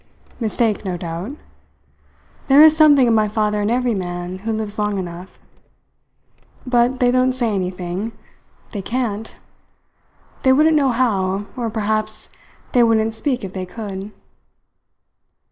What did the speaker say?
Mistake, no doubt. There is something of my father in every man who lives long enough. But they don't say anything. They can't. They wouldn't know how, or perhaps, they wouldn't speak if they could.